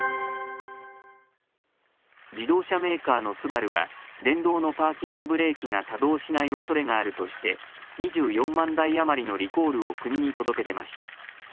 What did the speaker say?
自動車メーカーのＳＵＢＡＲＵは、電動のパーキングブレーキが作動しないおそれがあるとして、２４万台余りのリコールを国に届け出ました。